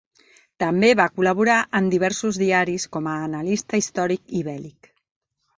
També va col·laborar en diversos diaris com a analista històric i bèl·lic.